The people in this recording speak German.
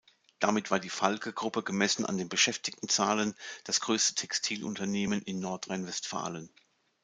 Damit war die Falke-Gruppe gemessen an den Beschäftigtenzahlen das größte Textilunternehmen in Nordrhein-Westfalen.